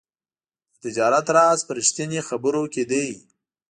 د تجارت راز په رښتیني خبرو کې دی.